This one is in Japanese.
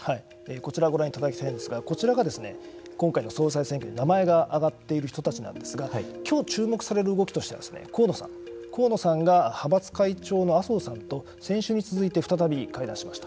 こちらをご覧いただきたいんですがこちらが今回の総裁選挙に名前が挙がっている人たちなんですがきょう注目される動きとしては河野さん河野さんが派閥会長の麻生さんと先週に続いて再び会談しました。